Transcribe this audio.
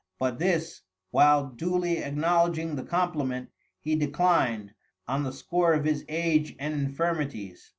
But this, while duly acknowledging the compliment, he declined, on the score of his age and infirmities.